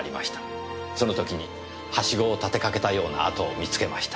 その時にハシゴを立てかけたような跡を見つけました。